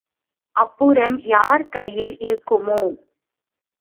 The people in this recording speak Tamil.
அப்புறம் யார் கையில் இருக்குமோ!